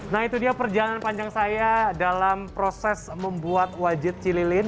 nah itu dia perjalanan panjang saya dalam proses membuat wajit cililin